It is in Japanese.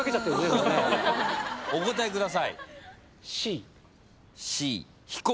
お答えください。